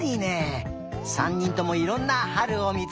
３にんともいろんなはるをみつけたんだね。